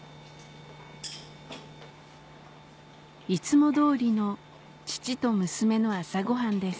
いつも通りの父と娘の朝ごはんです